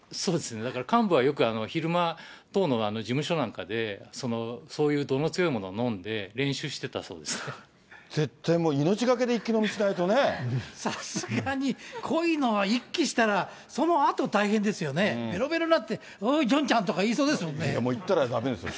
だから、幹部はよく、昼間、党の事務所なんかでそういう度の強いものを飲んで、練習してたそ絶対もう、さすがに濃いのは一気したら、そのあと大変ですよね、べろべろになって、おい、ジョンちゃんと言ったらだめですよ。